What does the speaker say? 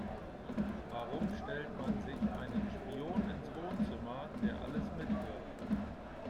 Warum stellt man sich einen Spion ins Wohnzimmer, der alles mithört?